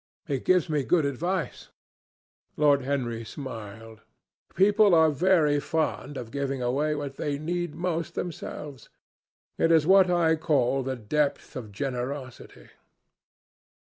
He gives me good advice." Lord Henry smiled. "People are very fond of giving away what they need most themselves. It is what I call the depth of generosity."